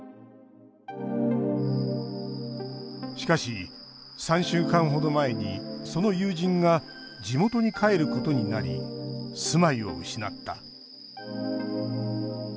しかし、３週間ほど前にその友人が地元に帰ることになり住まいを失った。